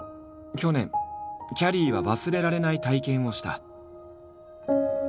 去年きゃりーは忘れられない体験をした。